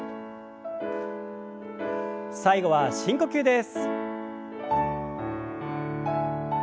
最後は深呼吸です。